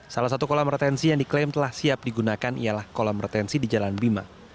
salah satu kolam retensi yang diklaim telah siap digunakan ialah kolam retensi di jalan bima